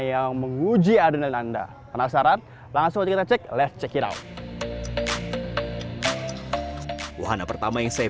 yang menguji adalah anda penasaran langsung kita cek let s check it out wahana pertama yang saya